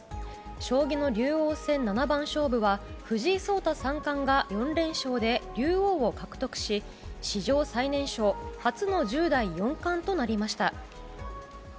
将棋の竜王戦七番勝負は藤井聡太三冠が４連勝で竜王を獲得し史上最年少初の１０代四冠となりました。